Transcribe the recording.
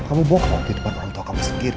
kamu bohong di depan orang tua kamu sendiri